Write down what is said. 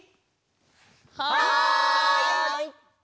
はい！